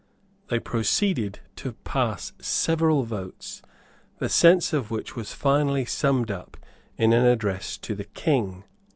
They proceeded to pass several votes, the sense of which was finally summed up in an address to the King.